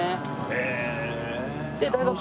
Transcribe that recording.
へえ。